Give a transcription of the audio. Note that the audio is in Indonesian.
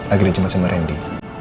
akhirnya cuma sama randy